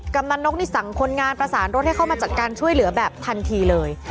กำลังนกนี่สั่งคนงานประสานรถให้เข้ามาจัดการช่วยเหลือแบบทันทีเลย